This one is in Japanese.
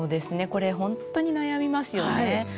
これほんとに悩みますよね。